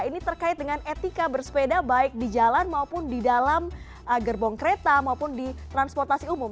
ini terkait dengan etika bersepeda baik di jalan maupun di dalam gerbong kereta maupun di transportasi umum